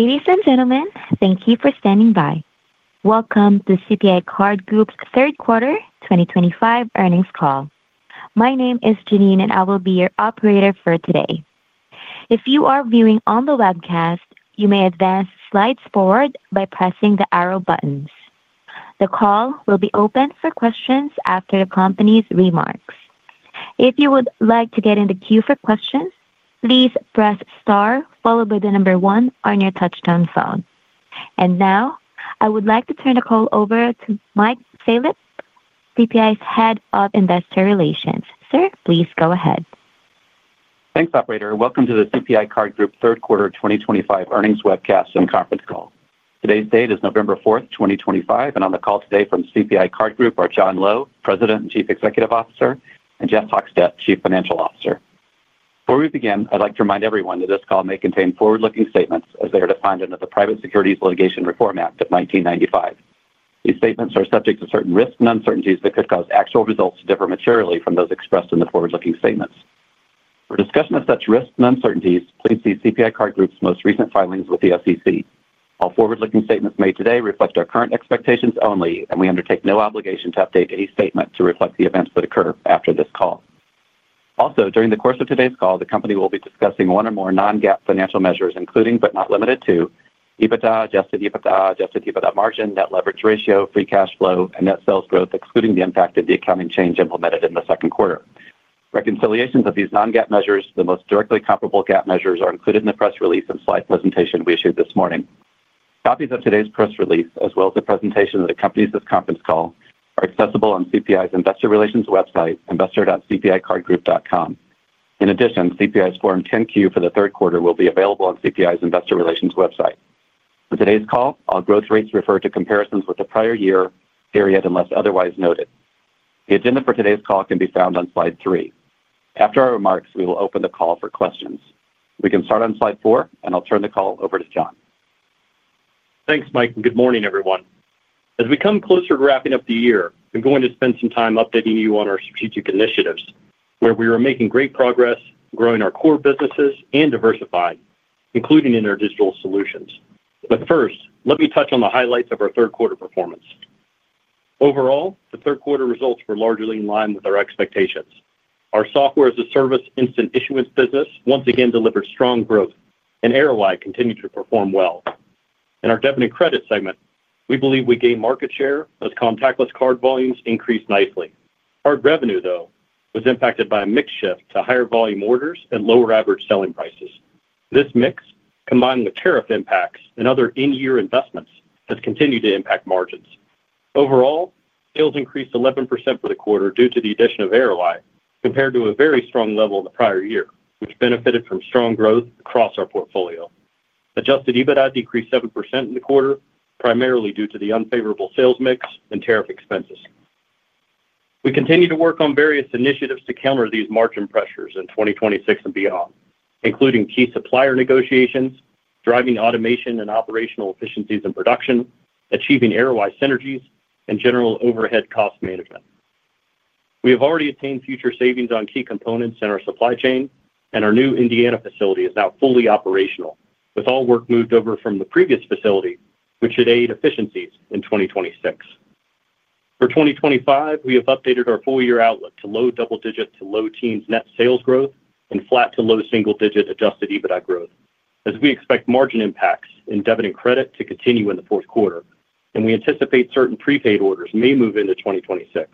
Ladies and gentlemen, thank you for standing by. Welcome to CPI Card Group's third quarter 2025 earnings call. My name is Janine, and I will be your operator for today. If you are viewing on the webcast, you may advance slides forward by pressing the arrow buttons. The call will be open for questions after the company's remarks. If you would like to get in the queue for questions, please press star followed by the number one on your touch-tone phone. And now, I would like to turn the call over to Mike Salop, CPI's Head of Investor Relations. Sir, please go ahead. Thanks, operator. Welcome to the CPI Card Group third quarter 2025 earnings webcast and conference call. Today's date is November 4th, 2025, and on the call today from CPI Card Group are John Lowe, President and Chief Executive Officer, and Jeff Hochstadt, Chief Financial Officer. Before we begin, I'd like to remind everyone that this call may contain forward-looking statements as they are defined under the Private Securities Litigation Reform Act of 1995. These statements are subject to certain risks and uncertainties that could cause actual results to differ materially from those expressed in the forward-looking statements. For discussion of such risks and uncertainties, please see CPI Card Group's most recent filings with the SEC. All forward-looking statements made today reflect our current expectations only, and we undertake no obligation to update any statement to reflect the events that occur after this call. Also, during the course of today's call, the company will be discussing one or more non-GAAP financial measures, including but not limited to EBITDA, adjusted EBITDA, adjusted EBITDA margin, net leverage ratio, free cash flow, and net sales growth, excluding the impact of the accounting change implemented in the second quarter. Reconciliations of these non-GAAP measures, the most directly comparable GAAP measures, are included in the press release and slide presentation we issued this morning. Copies of today's press release, as well as the presentation that accompanies this conference call, are accessible on CPI's Investor Relations website, investor.cpicardgroup.com. In addition, CPI's Form 10-Q for the third quarter will be available on CPI's Investor Relations website. For today's call, all growth rates refer to comparisons with the prior year period unless otherwise noted. The agenda for today's call can be found on slide three. After our remarks, we will open the call for questions. We can start on slide four, and I'll turn the call over to John. Thanks, Mike, and good morning, everyone. As we come closer to wrapping up the year, I'm going to spend some time updating you on our strategic initiatives, where we are making great progress, growing our core businesses, and diversifying, including in our digital solutions. But first, let me touch on the highlights of our third quarter performance. Overall, the third quarter results were largely in line with our expectations. Our software-as-a-service instant issuance business once again delivered strong growth, and Arroweye continued to perform well. In our debit and credit segment, we believe we gained market share as contactless card volumes increased nicely. Card revenue, though, was impacted by a mix shift to higher volume orders and lower average selling prices. This mix, combined with tariff impacts and other in-year investments, has continued to impact margins. Overall, sales increased 11% for the quarter due to the addition of Arroweye, compared to a very strong level in the prior year, which benefited from strong growth across our portfolio. Adjusted EBITDA decreased 7% in the quarter, primarily due to the unfavorable sales mix and tariff expenses. We continue to work on various initiatives to counter these margin pressures in 2026 and beyond, including key supplier negotiations, driving automation and operational efficiencies in production, achieving Arroweye synergies, and general overhead cost management. We have already attained future savings on key components in our supply chain, and our new Indiana facility is now fully operational, with all work moved over from the previous facility, which should aid efficiencies in 2026. For 2025, we have updated our four-year outlook to low double-digit to low teens net sales growth and flat to low single-digit adjusted EBITDA growth, as we expect margin impacts in debit and credit to continue in the fourth quarter, and we anticipate certain prepaid orders may move into 2026.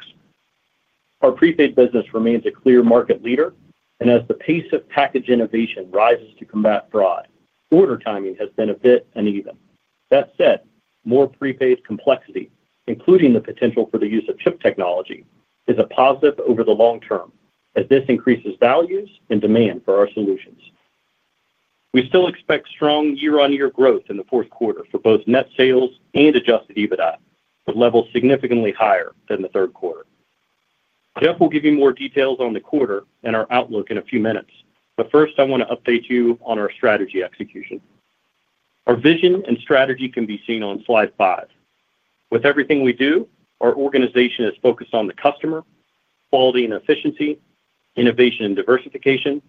Our prepaid business remains a clear market leader, and as the pace of package innovation rises to combat fraud, order timing has been a bit uneven. That said, more prepaid complexity, including the potential for the use of chip technology, is a positive over the long term, as this increases values and demand for our solutions. We still expect strong year-on-year growth in the fourth quarter for both net sales and adjusted EBITDA, but levels significantly higher than the third quarter. Jeff will give you more details on the quarter and our outlook in a few minutes, but first, I want to update you on our strategy execution. Our vision and strategy can be seen on slide five. With everything we do, our organization is focused on the customer, quality and efficiency, innovation and diversification,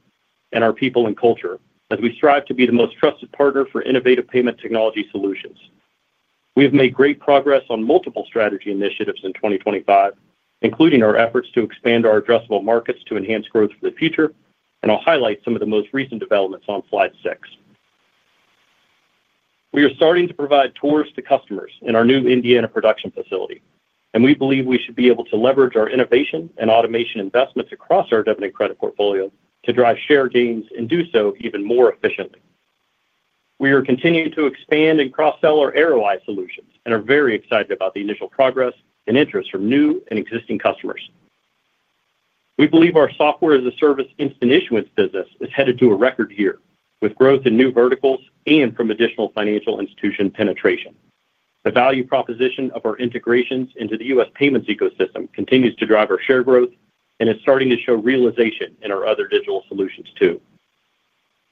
and our people and culture, as we strive to be the most trusted partner for innovative payment technology solutions. We have made great progress on multiple strategy initiatives in 2025, including our efforts to expand our addressable markets to enhance growth for the future, and I'll highlight some of the most recent developments on slide six. We are starting to provide tours to customers in our new Indiana production facility, and we believe we should be able to leverage our innovation and automation investments across our debit and credit portfolio to drive share gains and do so even more efficiently. We are continuing to expand and cross-sell our Arroweye solutions and are very excited about the initial progress and interest from new and existing customers. We believe our software-as-a-service instant issuance business is headed to a record year, with growth in new verticals and from additional financial institution penetration. The value proposition of our integrations into the U.S. payments ecosystem continues to drive our share growth and is starting to show realization in our other digital solutions too.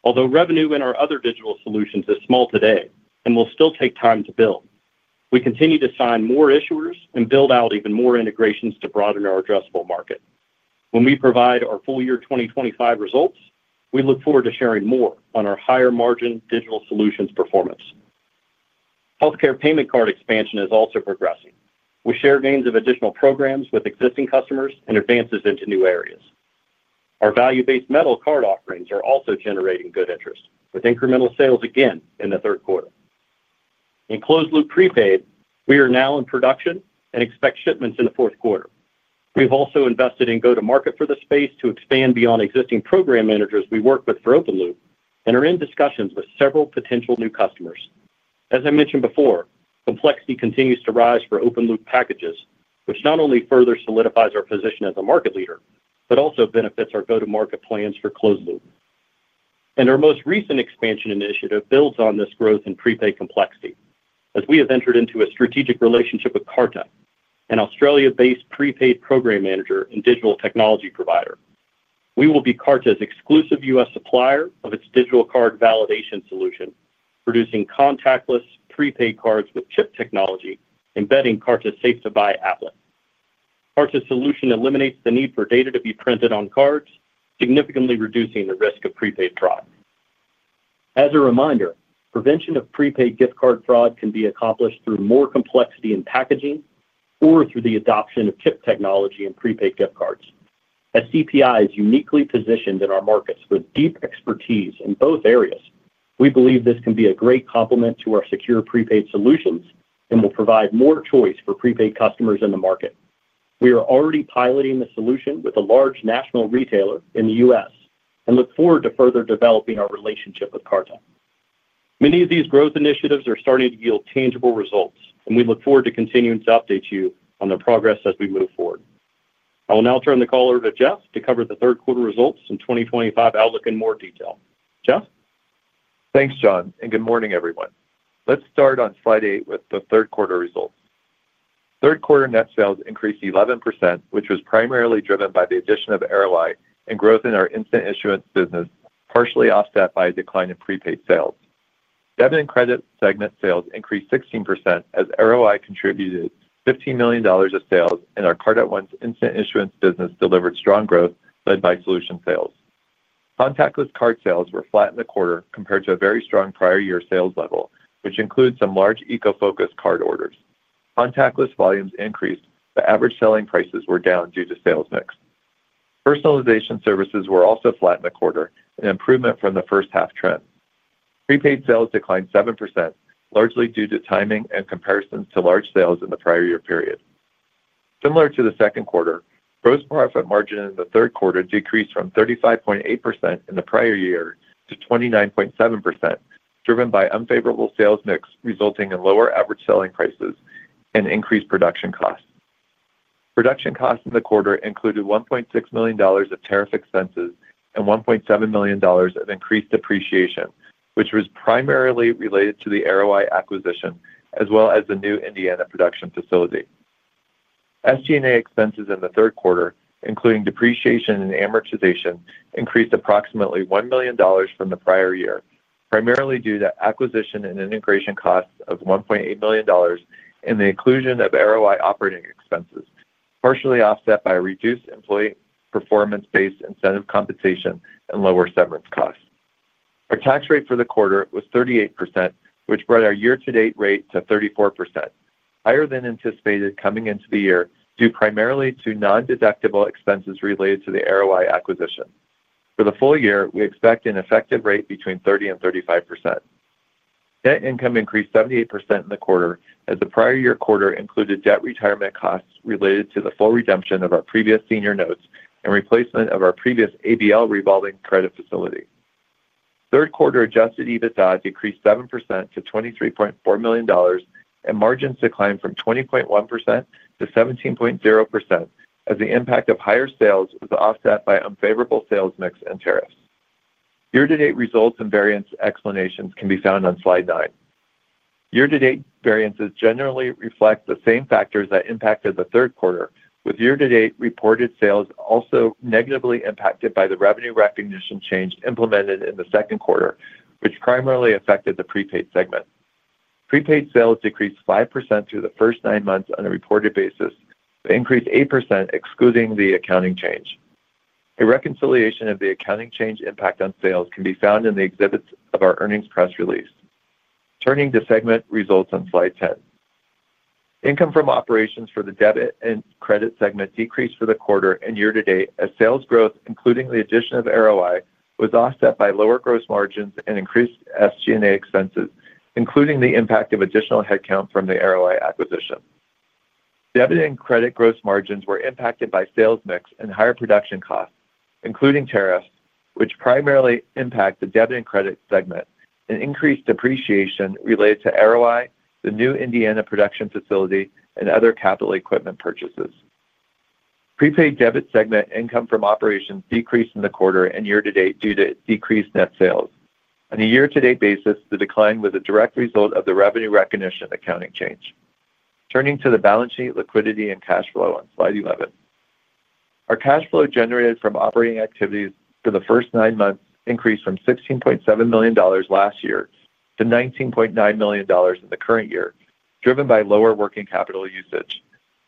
Although revenue in our other digital solutions is small today and will still take time to build, we continue to sign more issuers and build out even more integrations to broaden our addressable market. When we provide our full year 2025 results, we look forward to sharing more on our higher margin digital solutions performance. Healthcare payment card expansion is also progressing, with share gains of additional programs with existing customers and advances into new areas. Our value-based metal card offerings are also generating good interest, with incremental sales again in the third quarter. In closed-loop prepaid, we are now in production and expect shipments in the fourth quarter. We have also invested in go-to-market for the space to expand beyond existing program managers we work with for open-loop and are in discussions with several potential new customers. As I mentioned before, complexity continues to rise for open-loop packages, which not only further solidifies our position as a market leader but also benefits our go-to-market plans for closed-loop. And our most recent expansion initiative builds on this growth in prepaid complexity, as we have entered into a strategic relationship with Karta, an Australia-based prepaid program manager and digital technology provider. We will be Karta's exclusive U.S. supplier of its digital card validation solution, producing contactless prepaid cards with chip technology embedding Karta's SafeToBuy applet. Karta's solution eliminates the need for data to be printed on cards, significantly reducing the risk of prepaid fraud. As a reminder, prevention of prepaid gift card fraud can be accomplished through more complexity in packaging or through the adoption of chip technology in prepaid gift cards. As CPI is uniquely positioned in our markets with deep expertise in both areas, we believe this can be a great complement to our secure prepaid solutions and will provide more choice for prepaid customers in the market. We are already piloting the solution with a large national retailer in the U.S. and look forward to further developing our relationship with Karta. Many of these growth initiatives are starting to yield tangible results, and we look forward to continuing to update you on the progress as we move forward. I will now turn the call over to Jeff to cover the third quarter results and 2025 outlook in more detail. Jeff? Thanks, John, and good morning, everyone. Let's start on slide eight with the third quarter results. Third quarter net sales increased 11%, which was primarily driven by the addition of Arroweye and growth in our instant issuance business, partially offset by a decline in prepaid sales. Debit and credit segment sales increased 16% as Arroweye contributed $15 million of sales, and our Card@Once instant issuance business delivered strong growth led by solution sales. Contactless card sales were flat in the quarter compared to a very strong prior year sales level, which includes some large eco-focused card orders. Contactless volumes increased, but average selling prices were down due to sales mix. Personalization services were also flat in the quarter, an improvement from the first-half trend. Prepaid sales declined 7%, largely due to timing and comparisons to large sales in the prior year period. Similar to the second quarter, gross profit margin in the third quarter decreased from 35.8% in the prior year to 29.7%, driven by unfavorable sales mix resulting in lower average selling prices and increased production costs. Production costs in the quarter included $1.6 million of tariff expenses and $1.7 million of increased depreciation, which was primarily related to the Arroweye acquisition as well as the new Indiana production facility. SG&A expenses in the third quarter, including depreciation and amortization, increased approximately $1 million from the prior year, primarily due to acquisition and integration costs of $1.8 million and the inclusion of Arroweye operating expenses, partially offset by reduced employee performance-based incentive compensation and lower severance costs. Our tax rate for the quarter was 38%, which brought our year-to-date rate to 34%, higher than anticipated coming into the year due primarily to non-deductible expenses related to the Arroweye acquisition. For the full year, we expect an effective rate between 30% and 35%. Net income increased 78% in the quarter, as the prior year quarter included debt retirement costs related to the full redemption of our previous senior notes and replacement of our previous ABL revolving credit facility. Third quarter adjusted EBITDA decreased 7% to $23.4 million, and margins declined from 20.1%-17.0% as the impact of higher sales was offset by unfavorable sales mix and tariffs. Year-to-date results and variance explanations can be found on slide nine. Year-to-date variances generally reflect the same factors that impacted the third quarter, with year-to-date reported sales also negatively impacted by the revenue recognition change implemented in the second quarter, which primarily affected the prepaid segment. Prepaid sales decreased 5% through the first nine months on a reported basis, but increased 8% excluding the accounting change. A reconciliation of the accounting change impact on sales can be found in the exhibits of our earnings press release. Turning to segment results on slide 10. Income from operations for the debit and credit segment decreased for the quarter and year-to-date as sales growth, including the addition of Arroweye, was offset by lower gross margins and increased SG&A expenses, including the impact of additional headcount from the Arroweye acquisition. Debit and credit gross margins were impacted by sales mix and higher production costs, including tariffs, which primarily impact the debit and credit segment, and increased depreciation related to Arroweye, the new Indiana production facility, and other capital equipment purchases. Prepaid debit segment income from operations decreased in the quarter and year-to-date due to decreased net sales. On a year-to-date basis, the decline was a direct result of the revenue recognition accounting change. Turning to the balance sheet liquidity and cash flow on slide 11. Our cash flow generated from operating activities for the first nine months increased from $16.7 million last year to $19.9 million in the current year, driven by lower working capital usage.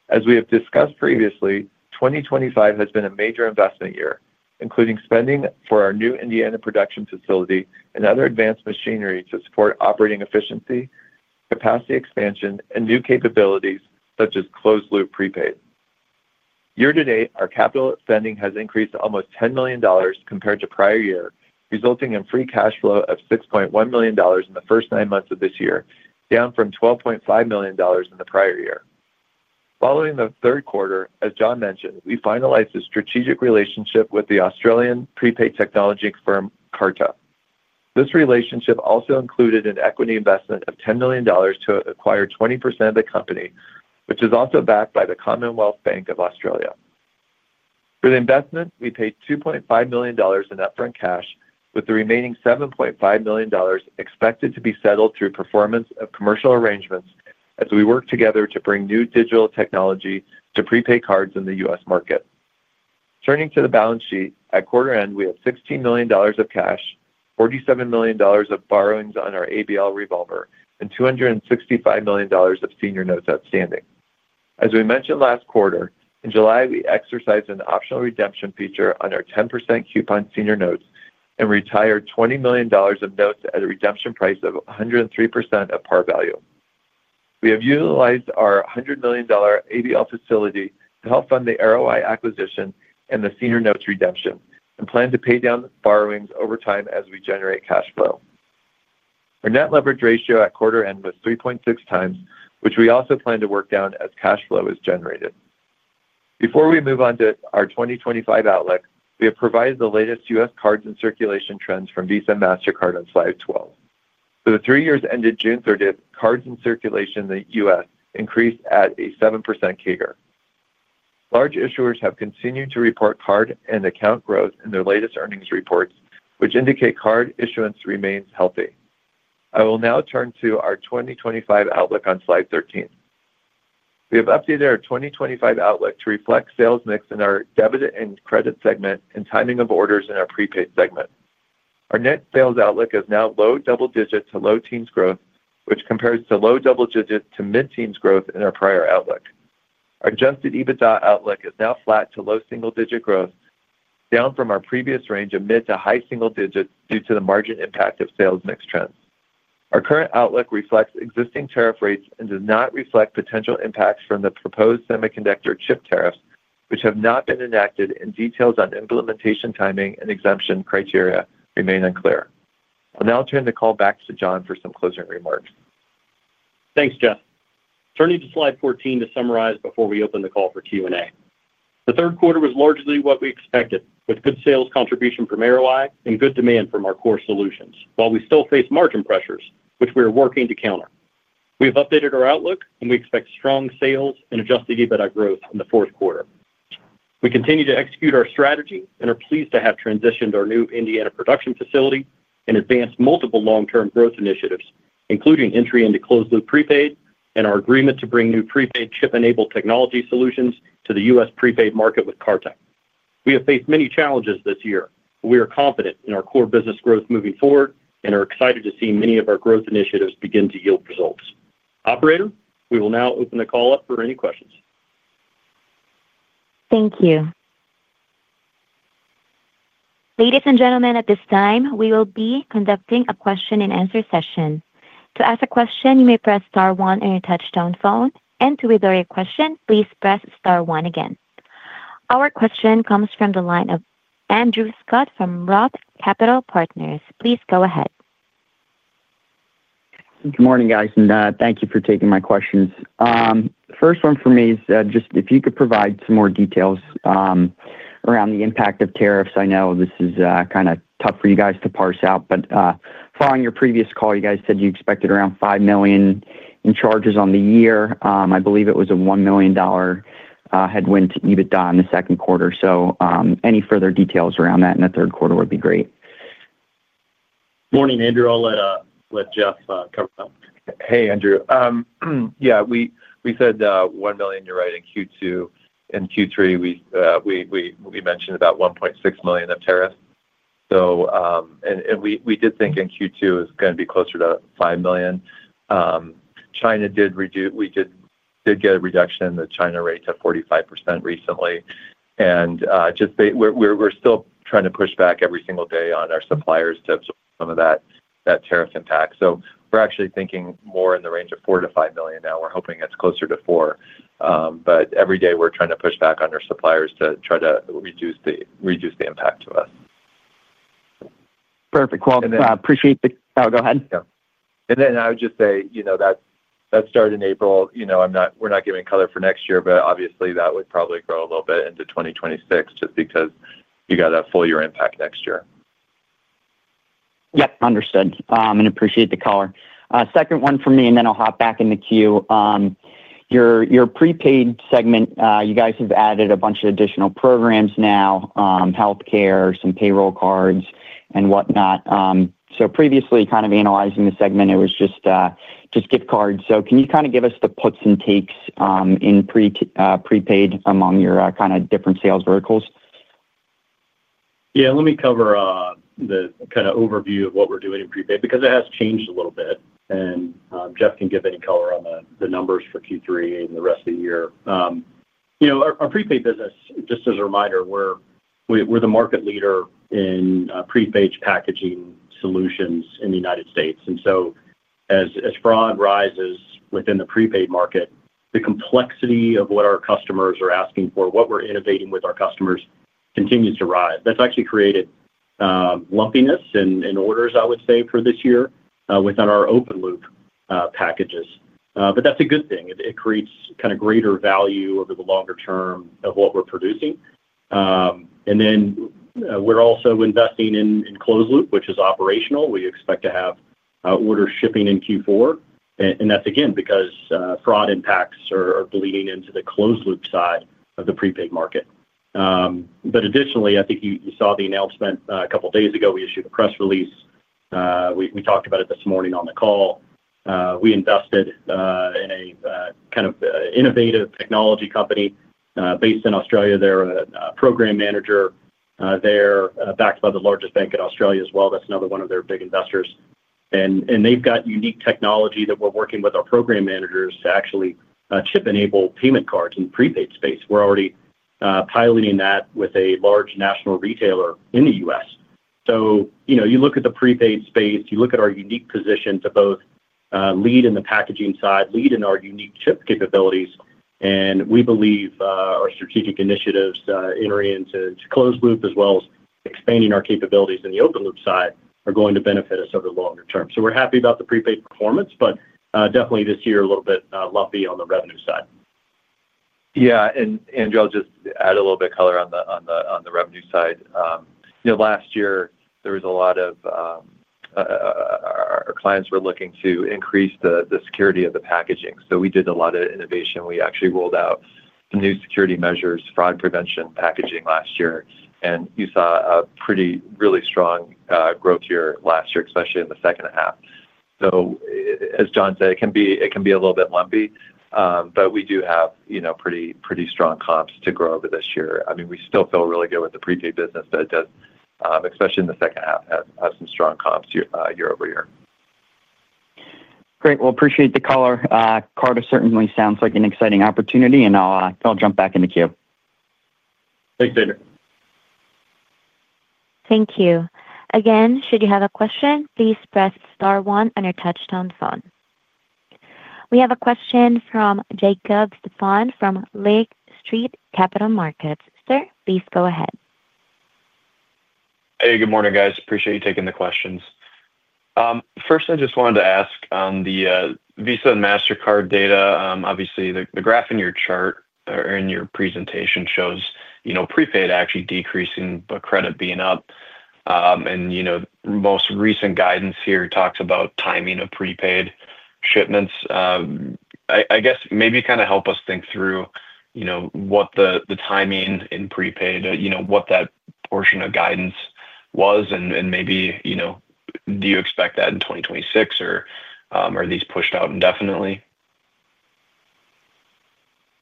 As we have discussed previously, 2025 has been a major investment year, including spending for our new Indiana production facility and other advanced machinery to support operating efficiency, capacity expansion, and new capabilities such as closed-loop prepaid. Year-to-date, our capital spending has increased almost $10 million compared to prior year, resulting in free cash flow of $6.1 million in the first nine months of this year, down from $12.5 million in the prior year. Following the third quarter, as John mentioned, we finalized a strategic relationship with the Australian prepaid technology firm Karta. This relationship also included an equity investment of $10 million to acquire 20% of the company, which is also backed by the Commonwealth Bank of Australia. For the investment, we paid $2.5 million in upfront cash, with the remaining $7.5 million expected to be settled through performance of commercial arrangements as we work together to bring new digital technology to prepaid cards in the U.S. market. Turning to the balance sheet, at quarter end, we had $16 million of cash, $47 million of borrowings on our ABL revolver, and $265 million of senior notes outstanding. As we mentioned last quarter, in July, we exercised an optional redemption feature on our 10% coupon senior notes and retired $20 million of notes at a redemption price of 103% of par value. We have utilized our $100 million ABL facility to help fund the Arroweye acquisition and the senior notes redemption and plan to pay down borrowings over time as we generate cash flow. Our net leverage ratio at quarter end was 3.6 times, which we also plan to work down as cash flow is generated. Before we move on to our 2025 outlook, we have provided the latest U.S. cards in circulation trends from Visa and Mastercard on slide 12. For the three years ended June 30, cards in circulation in the U.S. increased at a 7% CAGR. Large issuers have continued to report card and account growth in their latest earnings reports, which indicate card issuance remains healthy. I will now turn to our 2025 outlook on slide 13. We have updated our 2025 outlook to reflect sales mix in our debit and credit segment and timing of orders in our prepaid segment. Our net sales outlook is now low double digit to low teens growth, which compares to low double digit to mid teens growth in our prior outlook. Our Adjusted EBITDA outlook is now flat to low single digit growth, down from our previous range of mid to high single digit due to the margin impact of sales mix trends. Our current outlook reflects existing tariff rates and does not reflect potential impacts from the proposed semiconductor chip tariffs, which have not been enacted, and details on implementation timing and exemption criteria remain unclear. I'll now turn the call back to John for some closing remarks. Thanks, Jeff. Turning to slide 14 to summarize before we open the call for Q&A. The third quarter was largely what we expected, with good sales contribution from Arroweye and good demand from our core solutions, while we still face margin pressures, which we are working to counter. We have updated our outlook, and we expect strong sales and Adjusted EBITDA growth in the fourth quarter. We continue to execute our strategy and are pleased to have transitioned our new Indiana production facility and advanced multiple long-term growth initiatives, including entry into closed-loop prepaid and our agreement to bring new prepaid chip-enabled technology solutions to the U.S. prepaid market with Karta. We have faced many challenges this year, but we are confident in our core business growth moving forward and are excited to see many of our growth initiatives begin to yield results. Operator, we will now open the call up for any questions. Thank you. Ladies and gentlemen, at this time, we will be conducting a question-and-answer session. To ask a question, you may press star one on your touch-tone phone, and to withdraw your question, please press star one again. Our question comes from the line of Andrew Scutt from ROTH Capital Partners. Please go ahead. Good morning, guys, and thank you for taking my questions. The first one for me is just if you could provide some more details around the impact of tariffs. I know this is kind of tough for you guys to parse out, but following your previous call, you guys said you expected around $5 million in charges on the year. I believe it was a $1 million headwind to EBITDA in the second quarter. So any further details around that in the third quarter would be great. Morning, Andrew. I'll let Jeff come up. Hey, Andrew. Yeah, we said $1 million, you're right, in Q2. In Q3, we mentioned about $1.6 million of tariffs. And we did think in Q2 it was going to be closer to $5 million. We did get a reduction in the China rate to 45% recently. And we're still trying to push back every single day on our suppliers to absorb some of that tariff impact. So we're actually thinking more in the range of $4 million-$5 million now. We're hoping it's closer to $4 million. But every day we're trying to push back on our suppliers to try to reduce the impact to us. Perfect. Well, I appreciate the, oh, go ahead. And then I would just say that started in April. We're not giving color for next year, but obviously that would probably grow a little bit into 2026 just because you got a full year impact next year. Yep, understood. And appreciate the color. Second one for me, and then I'll hop back in the queue. Your prepaid segment, you guys have added a bunch of additional programs now, healthcare, some payroll cards, and whatnot. So previously, kind of analyzing the segment, it was just gift cards. So can you kind of give us the perks and takes in prepaid among your kind of different sales verticals? Yeah, let me cover. The kind of overview of what we're doing in prepaid because it has changed a little bit. And Jeff can give any color on the numbers for Q3 and the rest of the year. Our prepaid business, just as a reminder, we're the market leader in prepaid packaging solutions in the United States. And so as fraud rises within the prepaid market, the complexity of what our customers are asking for, what we're innovating with our customers, continues to rise. That's actually created lumpiness in orders, I would say, for this year within our open-loop packages. But that's a good thing. It creates kind of greater value over the longer term of what we're producing. And then we're also investing in closed-loop, which is operational. We expect to have order shipping in Q4. And that's again because fraud impacts are bleeding into the closed-loop side of the prepaid market. But additionally, I think you saw the announcement a couple of days ago. We issued a press release. We talked about it this morning on the call. We invested in a kind of innovative technology company based in Australia. They're a program manager. They're backed by the largest bank in Australia as well. That's another one of their big investors. And they've got unique technology that we're working with our program managers to actually chip-enable payment cards in the prepaid space. We're already piloting that with a large national retailer in the U.S. So you look at the prepaid space, you look at our unique position to both lead in the packaging side, lead in our unique chip capabilities, and we believe our strategic initiatives entering into closed-loop as well as expanding our capabilities in the open-loop side are going to benefit us over the longer term. So we're happy about the prepaid performance, but definitely this year a little bit lumpy on the revenue side. Yeah, and Andrew, I'll just add a little bit of color on the revenue side. Last year, our clients were looking to increase the security of the packaging. So we did a lot of innovation. We actually rolled out some new security measures, fraud prevention packaging last year. And you saw a pretty really strong growth year last year, especially in the second half. So as John said, it can be a little bit lumpy, but we do have pretty strong comps to grow over this year. I mean, we still feel really good with the prepaid business, but it does, especially in the second half, have some strong comps year-over-year. Great. Well, appreciate the color. Karta certainly sounds like an exciting opportunity, and I'll jump back in the queue. Thanks, Andrew. Thank you. Again, should you have a question, please press star one on your touch-tone phone. We have a question from Jacob Stephan from Lake Street Capital Markets. Sir, please go ahead. Hey, good morning, guys. Appreciate you taking the questions. First, I just wanted to ask on the Visa and Mastercard data. Obviously, the graph in your chart or in your presentation shows prepaid actually decreasing, but credit being up. And most recent guidance here talks about timing of prepaid shipments. I guess maybe kind of help us think through. What the timing in prepaid, what that portion of guidance was, and maybe. Do you expect that in 2026, or are these pushed out indefinitely?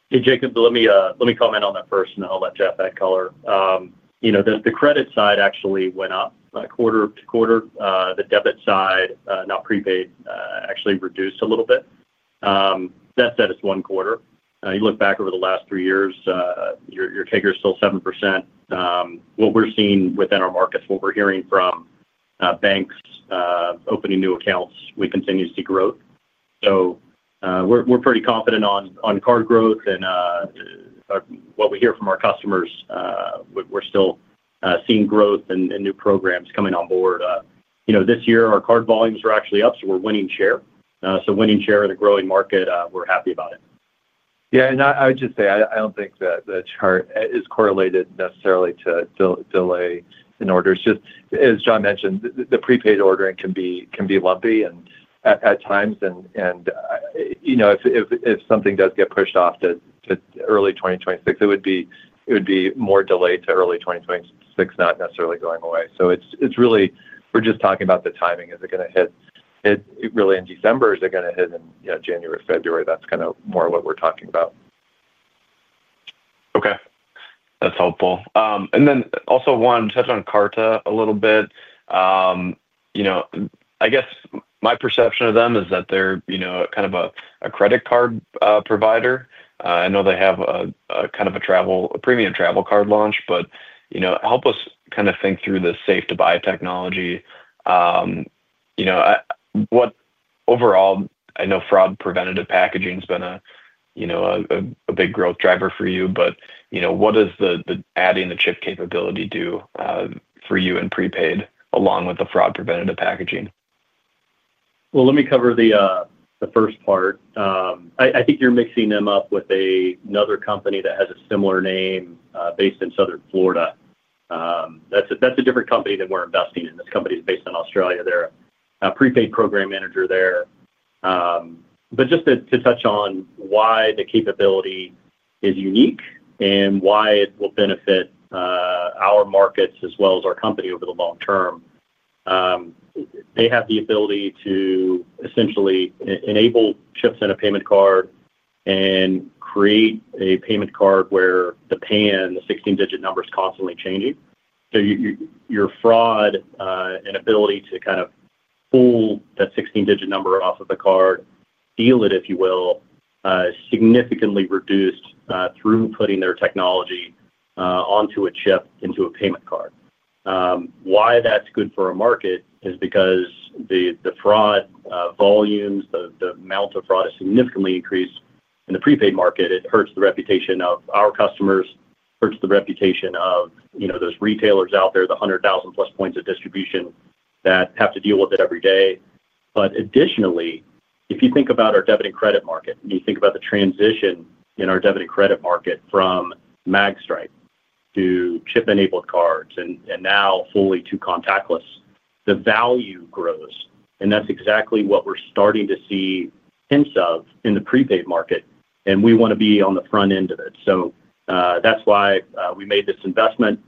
Hey, Jacob, let me comment on that first, and then I'll let Jeff add color. The credit side actually went up quarter-to-quarter. The debit side, not prepaid, actually reduced a little bit. That's at its one quarter. You look back over the last three years, your CAGR is still 7%. What we're seeing within our markets, what we're hearing from. Banks opening new accounts, we continue to see growth. So. We're pretty confident on card growth and. What we hear from our customers. We're still seeing growth and new programs coming on board. This year, our card volumes were actually up, so we're winning share. So winning share in a growing market, we're happy about it. Yeah, and I would just say I don't think that the chart is correlated necessarily to delay in orders. Just as John mentioned, the prepaid ordering can be lumpy at times. If something does get pushed off to early 2026, it would be more delayed to early 2026, not necessarily going away. So it's really, we're just talking about the timing. Is it going to hit really in December? Is it going to hit in January, February? That's kind of more what we're talking about. Okay. That's helpful. And then also wanted to touch on Karta a little bit. I guess my perception of them is that they're kind of a credit card provider. I know they have kind of a premium travel card launch, but help us kind of think through the SafeToBuy technology. Overall, I know fraud-preventative packaging has been a big growth driver for you, but what does the adding the chip capability do for you in prepaid along with the fraud-preventative packaging? Well, let me cover the first part. I think you're mixing them up with another company that has a similar name based in Southern Florida. That's a different company that we're investing in. This company is based in Australia. They're a prepaid program manager there. But just to touch on why the capability is unique and why it will benefit our markets as well as our company over the long term. They have the ability to essentially enable chips in a payment card and create a payment card where the PAN, the 16-digit number, is constantly changing. So your fraud and ability to kind of pull that 16-digit number off of the card, steal it, if you will, significantly reduced through putting their technology onto a chip into a payment card. Why that's good for a market is because the fraud volumes, the amount of fraud is significantly increased in the prepaid market. It hurts the reputation of our customers, hurts the reputation of those retailers out there, the 100,000-plus points of distribution that have to deal with it every day. But additionally, if you think about our debit and credit market, and you think about the transition in our debit and credit market from magstripe to chip-enabled cards and now fully to contactless, the value grows. And that's exactly what we're starting to see hints of in the prepaid market. And we want to be on the front end of it. So that's why we made this investment.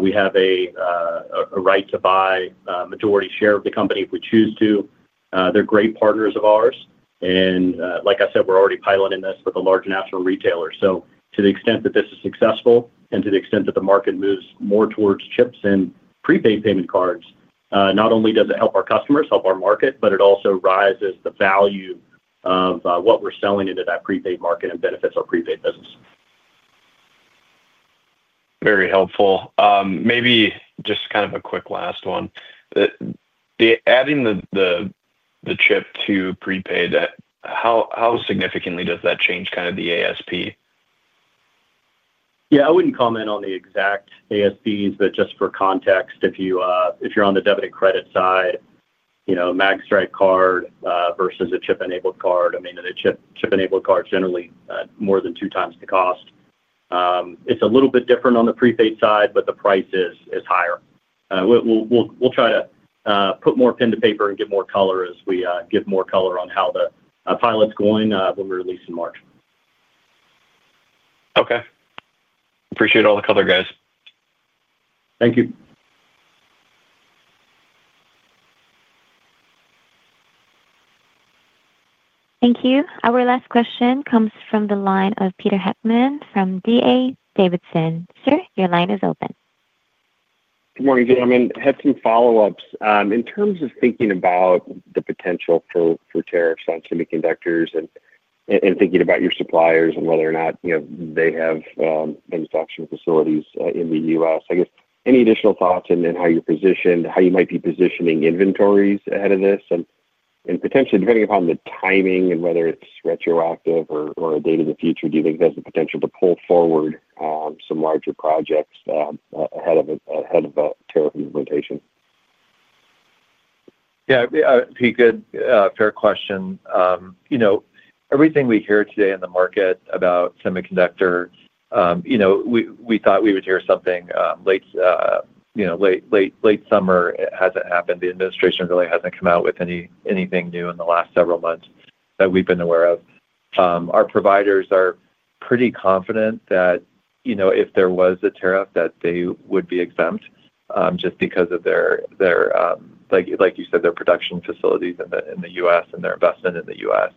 We have a right to buy a majority share of the company if we choose to. They're great partners of ours. And like I said, we're already piloting this with a large national retailer. So to the extent that this is successful and to the extent that the market moves more towards chips and prepaid payment cards, not only does it help our customers, help our market, but it also rises the value of what we're selling into that prepaid market and benefits our prepaid business. Very helpful. Maybe just kind of a quick last one. Adding the chip to prepaid, how significantly does that change kind of the ASP? Yeah, I wouldn't comment on the exact ASPs, but just for context, if you're on the debit and credit side. Magstripe card versus a chip-enabled card, I mean, a chip-enabled card is generally more than two times the cost. It's a little bit different on the prepaid side, but the price is higher. We'll try to put more pen to paper and get more color as we give more color on how the pilot's going when we release in March. Okay. Appreciate all the color, guys. Thank you. Thank you. Our last question comes from the line of Peter Heckmann from D.A. Davidson. Sir, your line is open. Good morning, gentlemen. I had some follow-ups. In terms of thinking about the potential for tariffs on semiconductors and thinking about your suppliers and whether or not they have manufacturing facilities in the U.S., I guess any additional thoughts in how you're positioned, how you might be positioning inventories ahead of this? And potentially, depending upon the timing and whether it's retroactive or a date in the future, do you think there's a potential to pull forward some larger projects ahead of a tariff implementation? Yeah, Pete, good. Fair question. Everything we hear today in the market about semiconductor. We thought we would hear something late summer. It hasn't happened. The administration really hasn't come out with anything new in the last several months that we've been aware of. Our providers are pretty confident that if there was a tariff, that they would be exempt just because of their, like you said, their production facilities in the U.S. and their investment in the U.S.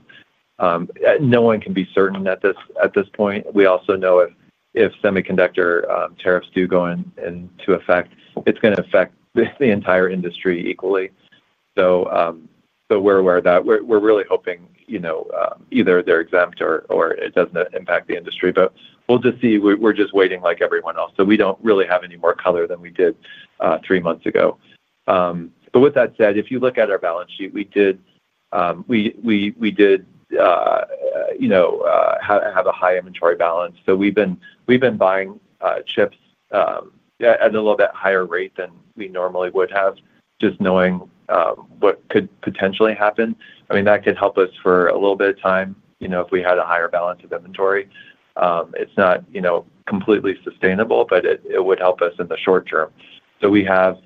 No one can be certain at this point. We also know if semiconductor tariffs do go into effect, it's going to affect the entire industry equally. So we're aware of that. We're really hoping either they're exempt or it doesn't impact the industry. But we'll just see. We're just waiting like everyone else. So we don't really have any more color than we did three months ago. But with that said, if you look at our balance sheet, we did have a high inventory balance. So we've been buying chips at a little bit higher rate than we normally would have, just knowing what could potentially happen. I mean, that could help us for a little bit of time if we had a higher balance of inventory. It's not completely sustainable, but it would help us in the short term. So we have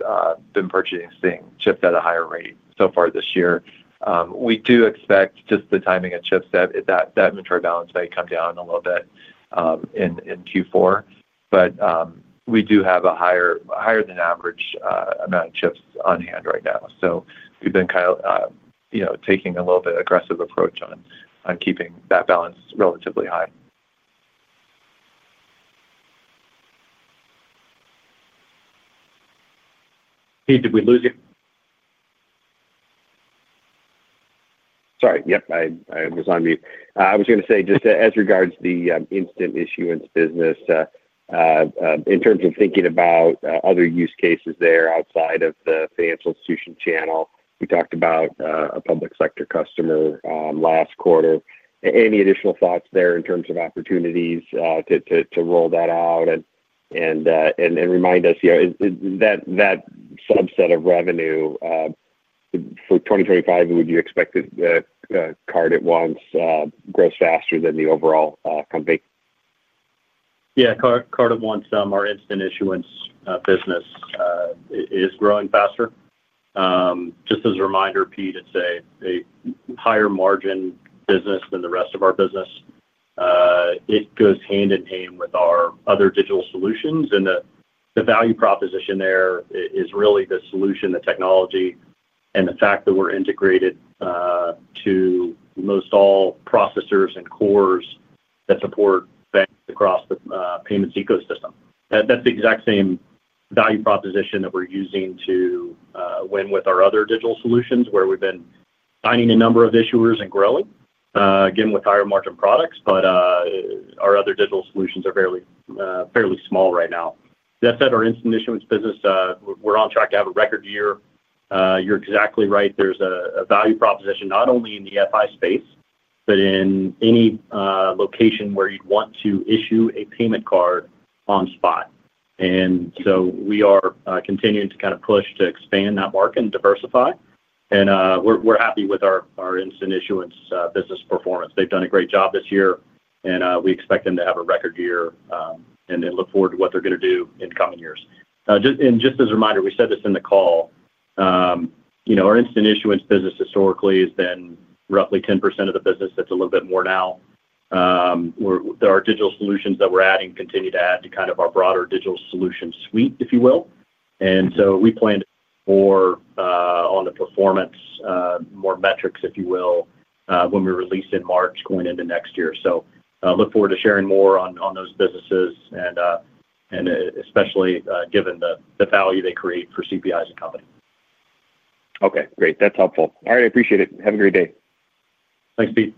been purchasing chips at a higher rate so far this year. We do expect just the timing of chips that the inventory balance may come down a little bit in Q4. But we do have a higher than average amount of chips on hand right now. So we've been kind of taking a little bit aggressive approach on keeping that balance relatively high. Pete, did we lose you? Sorry. Yep, I was on mute. I was going to say just as regards the instant issuance business. In terms of thinking about other use cases there outside of the financial institution channel, we talked about a public sector customer last quarter. Any additional thoughts there in terms of opportunities to roll that out, and remind us that subset of revenue for 2025? Would you expect that Card@Once grows faster than the overall company? Yeah, Card@Once, our instant issuance business, is growing faster. Just as a reminder, Pete, it's a higher margin business than the rest of our business. It goes hand in hand with our other digital solutions. And the value proposition there is really the solution, the technology, and the fact that we're integrated to most all processors and cores that support banks across the payments ecosystem. That's the exact same value proposition that we're using to win with our other digital solutions, where we've been signing a number of issuers and growing, again, with higher margin products, but our other digital solutions are fairly small right now. That said, our instant issuance business, we're on track to have a record year. You're exactly right. There's a value proposition not only in the FI space, but in any location where you'd want to issue a payment card on spot. And so we are continuing to kind of push to expand that market and diversify. And we're happy with our instant issuance business performance. They've done a great job this year, and we expect them to have a record year and look forward to what they're going to do in coming years. And just as a reminder, we said this in the call. Our instant issuance business historically has been roughly 10% of the business. That's a little bit more now. There are digital solutions that we're adding, continue to add to kind of our broader digital solution suite, if you will. And so we plan to on the performance, more metrics, if you will, when we release in March going into next year. So look forward to sharing more on those businesses, and especially given the value they create for CPI's and company. Okay, great. That's helpful. All right, I appreciate it. Have a great day. Thanks, Pete.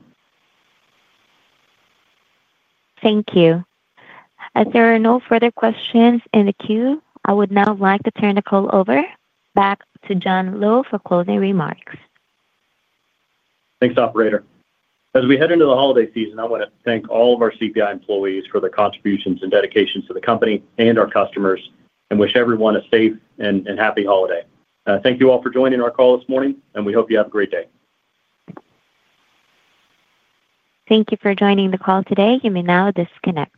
Thank you. If there are no further questions in the queue, I would now like to turn the call over back to John Lowe for closing remarks. Thanks, operator. As we head into the holiday season, I want to thank all of our CPI employees for the contributions and dedication to the company and our customers and wish everyone a safe and happy holiday. Thank you all for joining our call this morning, and we hope you have a great day. Thank you for joining the call today. You may now disconnect.